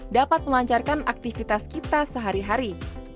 dapat melancarkan aktivitas kita sehari hari